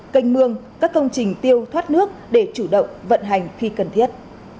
canh mương các công trình tiêu thoát nước để chủ động vận hành khi cần thiết